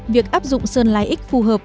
việc áp dụng sơn lai ích phù hợp